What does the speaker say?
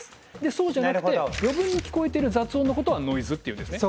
そうじゃなくて余分に聞こえてる雑音のことはノイズっていうんですね。